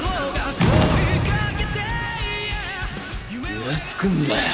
イラつくんだよ